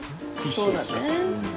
そうだね。